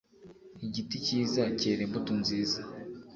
igiti cyiza cyera imbuto nziza